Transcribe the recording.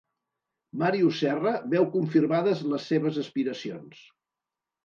Màrius Serra veu confirmades les seves aspiracions.